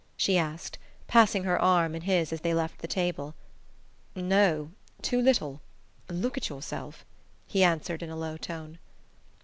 she asked, passing her arm in his as they left the table. "No: too little. Look at yourself," he answered in a low tone.